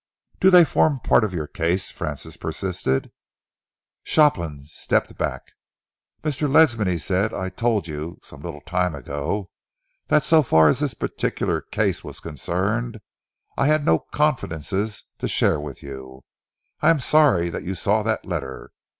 "Do they form part of your case?" Francis persisted. Shopland stepped back. "Mr. Ledsam," he said, "I told you, some little time ago, that so far as this particular case was concerned I had no confidences to share with you. I am sorry that you saw that letter.